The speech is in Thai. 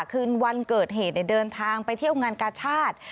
คืนวันเกิดเหตุเดินทางไปเที่ยวงานกาชาติ